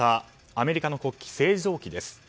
アメリカの国旗、星条旗です。